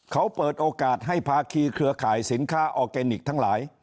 เขาเปิดโอกาสให้ภาคีเครือข่ายสินค้าออร์แกนิคทั้งหลาย